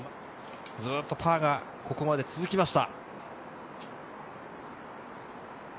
ずっとパーがここまで続きました。